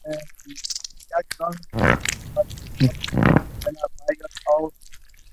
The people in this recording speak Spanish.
Es un príncipe del Infierno e hijo de Satanás.